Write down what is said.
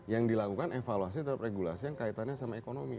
yang dilakukan evaluasi terhadap regulasi yang kaitannya sama ekonomi